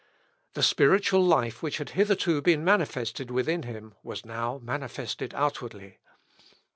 The spiritual life which had hitherto been manifested within him was now manifested outwardly.